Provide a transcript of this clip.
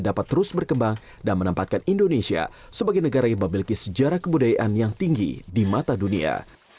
dapat terus berkembang dan menempatkan indonesia sebagai negara yang memiliki sejarah kebudayaan yang tinggi di mata dunia